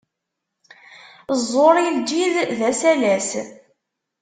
Ẓẓur i lǧid, d asalas.